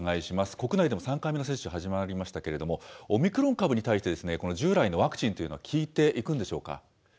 国内でも３回目の接種始まりましたけれども、オミクロン株に対して、この従来のワクチンというのは効いていくんでしょうか。